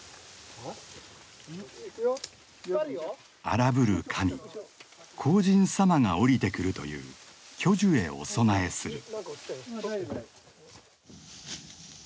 荒ぶる神荒神様が降りてくるという巨樹へお供えする。